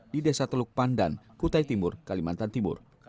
di desa teluk pandan kutai timur kalimantan timur